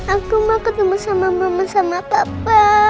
aku mau ketemu sama mama sama papa